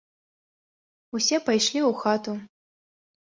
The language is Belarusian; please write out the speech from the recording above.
Усе пайшлі ў хату.